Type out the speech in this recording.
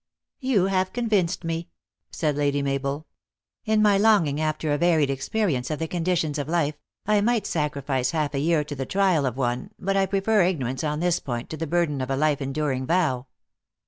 " You have convinced me," said Lady Mabel. " In my longing after a varied experience of the conditions of life, I might sacrifice half a year to the trial of one, but I prefer ignorance on this point to the burden of a life enduring vow."